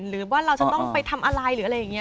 หรือว่าเราจะต้องไปทำอะไร